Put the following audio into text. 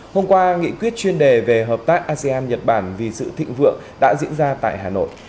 hôm qua nghị quyết chuyên đề về hợp tác asean nhật bản vì sự thịnh vượng đã diễn ra tại hà nội